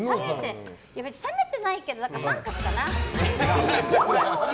別に冷めてないけどだから△かな。